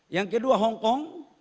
yang kedua hongkong